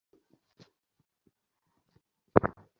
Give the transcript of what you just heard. তিনি রচনা প্রকাশে উদ্যোগী হয়েছিলেন।